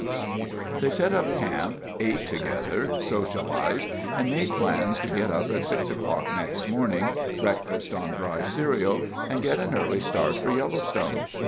(Christopherson)] They set up camp, ate together, socialized, and made plans to get up at 6 o'clock next morning, breakfast on dry cereal, and get an early start for Yellowstone.